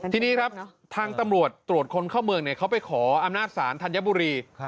ทีนี้ครับทางตำรวจตรวจคนเข้าเมืองเขาไปขออำนาจศาลธัญบุรี